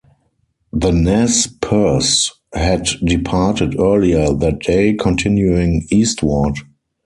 The Nez Perce had departed earlier that day, continuing eastward.